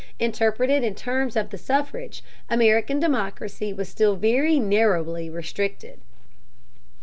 Interpreted in terms of the suffrage, American democracy was still very narrowly restricted.